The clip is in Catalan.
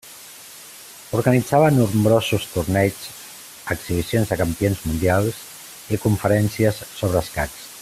Organitzava nombrosos torneigs, exhibicions de campions mundials i conferències sobre escacs.